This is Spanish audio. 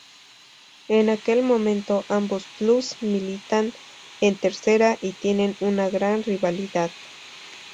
En aquel momento ambos clubs militan en Tercera y tienen una gran rivalidad.